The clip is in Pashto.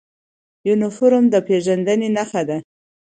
یونفورم د پیژندنې نښه ده